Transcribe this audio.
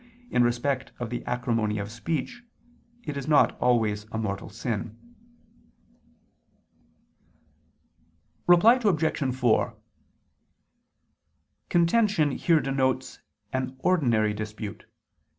in respect of the acrimony of speech, it is not always a mortal sin. Reply Obj. 4: Contention here denotes an ordinary dispute.